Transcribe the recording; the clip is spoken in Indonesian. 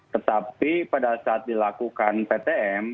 tetapi pada saat dilakukan ptm